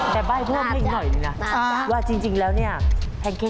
แบบบ้ายร่วมให้หน่อยหน่อยนะว่าจริงแล้วเนี่ยแพนเค้ก